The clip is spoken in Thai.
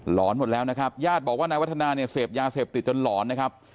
อนหมดแล้วนะครับญาติบอกว่านายวัฒนาเนี่ยเสพยาเสพติดจนหลอนนะครับ